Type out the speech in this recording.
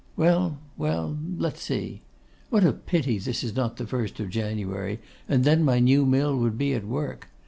Well, well, let us see. What a pity this is not the 1st of January, and then my new mill would be at work!